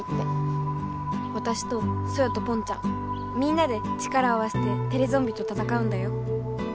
わたしとソヨとポンちゃんみんなで力を合わせてテレゾンビとたたかうんだよ。